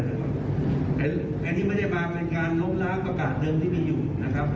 อันนี้ไม่ได้มาเป็นการล้มล้างประกาศเดิมที่มีอยู่นะครับ